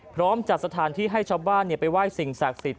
พร้อมจัดสถานที่ให้ชาวบ้านไปไหว้สิ่งศักดิ์สิทธิ